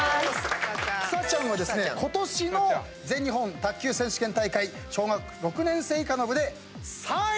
ことしの全日本卓球選手権大会小学６年生以下の部で３位！